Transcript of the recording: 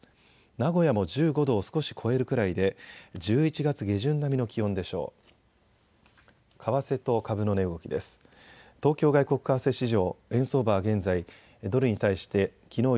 名古屋も１５度を少し超えるくらいで１１月下旬並みの気温でしょう。